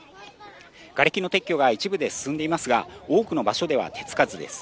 がれきの撤去が一部で進んでいますが、多くの場所では手付かずです。